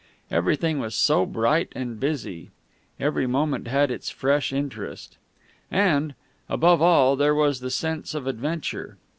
Everything was so bright and busy! Every moment had its fresh interest. And, above all, there was the sense of adventure.